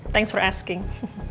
terima kasih udah tanya